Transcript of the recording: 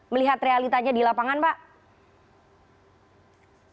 melihat realitanya di lapangan pak